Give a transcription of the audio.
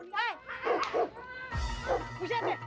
aduh kacau diurusannya